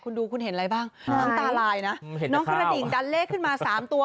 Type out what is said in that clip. คุณดูคุณเห็นอะไรบ้างน้ำตาลายนะน้องกระดิ่งดันเลขขึ้นมา๓ตัว